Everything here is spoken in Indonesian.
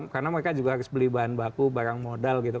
karena mereka juga harus beli bahan baku barang modal gitu